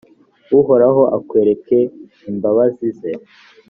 uhoraho akwereke imbabazi ze,